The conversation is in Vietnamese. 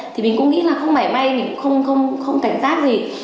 thì mình cũng nghĩ là không mẻ may thì cũng không cảnh giác gì